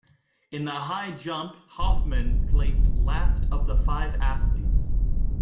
In the high jump Hofmann placed last of the five athletes.